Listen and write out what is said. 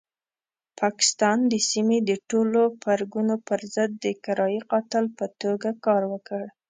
پاکستان د سیمې د ټولو پرګنو پرضد د کرایي قاتل په توګه کار وکړ.